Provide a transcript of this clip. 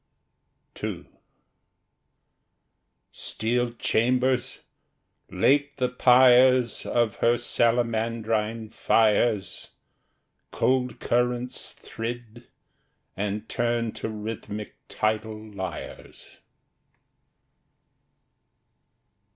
II Steel chambers, late the pyres Of her salamandrine fires, Cold currents thrid, and turn to rhythmic tidal lyres.